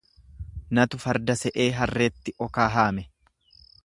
Natu farda se'ee harreetti okaa haame.